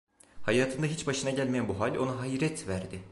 Hayatında hiç başına gelmeyen bu hal; ona hayret verdi.